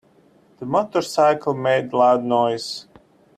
The motorcycle made loud noise.